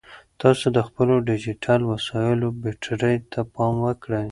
تاسو د خپلو ډیجیټل وسایلو بیټرۍ ته پام وکړئ.